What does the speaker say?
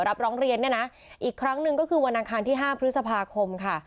รับร้องเรียนเนี่ยนะอีกครั้งหนึ่งก็คือวันอังคารที่๕พฤษภาคมค่ะ